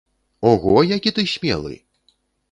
Ого, які ты смелы!